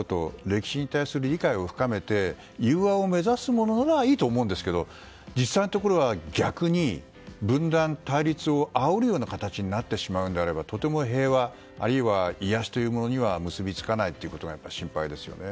歴史に対する理解を深めて友和を目指すものならいいと思うんですけど実際のところは逆に分断・対立をあおるような形になってしまうのであればとても平和や癒やしには結びつかないのが心配ですよね。